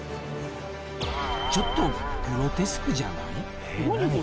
ちょっとグロテスクじゃない？